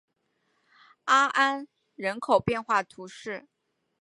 阿安人口变化图示